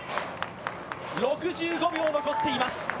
６５秒残っています。